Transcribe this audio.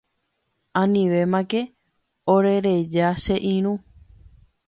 Anivémake orereja che irũ.